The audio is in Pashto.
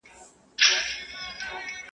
• خو کيسه نه ختمېږي هېڅکله..